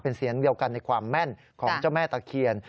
เป็นเสียงเดียวกันในความแม่นของเจ้าแม่ตะเคียน